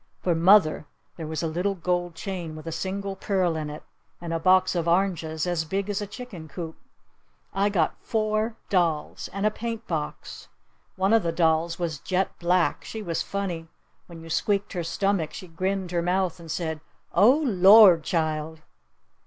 For mother there was a little gold chain with a single pearl in it! And a box of oranges as big as a chicken coop! I got four dolls! And a paint box! One of the dolls was jet black. She was funny. When you squeaked her stomach she grinned her mouth and said, "Oh, lor', child!"